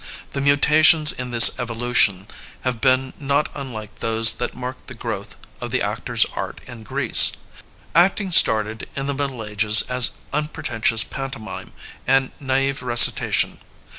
The mutations in this evolution have been not unlike those that marked the growth of the actor's art in Greece. Acting started in the middle ages as unpretentious pantomime and naiVe recita tion.